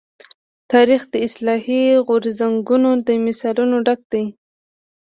تاریخ د اصلاحي غورځنګونو له مثالونو ډک دی.